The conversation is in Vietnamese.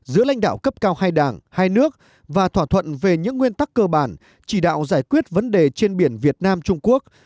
giữa lãnh đạo cấp cao hai đảng hai nước và thỏa thuận về những nguyên tắc cơ bản chỉ đạo giải quyết vấn đề trên biển việt nam trung quốc